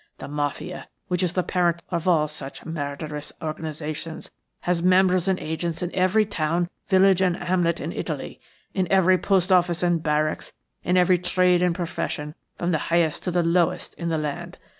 The Mafia, which is the parent of all such murderous organisations, has members and agents in every town, village, and hamlet in Italy, in every post office and barracks, in every trade and profession from the highest to the lowest in the land.